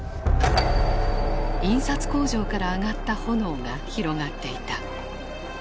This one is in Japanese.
印刷工場から上がった炎が広がっていた。